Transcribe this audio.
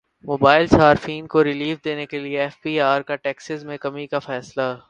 mobile صارفین کو relief دینے کیلئے ایف بی ار کا ٹیکسز میں کمی کا فیصلہ